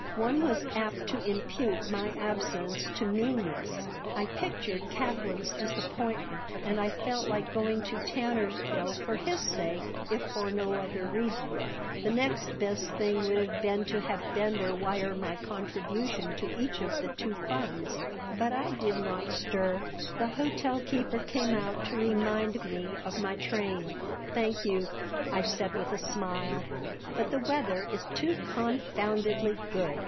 One was apt to impute my absence to meanness. I pictured Kaplan's disappointment, and I felt like going to Tannersville for his sake, if for no other reason. The next best thing would have been to have Bender wire my contribution to each of the two funds. But I did not stir The hotel keeper came out to remind me of my train "Thank you," I said, with a smile. "But the weather is too confoundedly good.